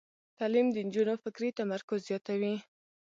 تعلیم د نجونو فکري تمرکز زیاتوي.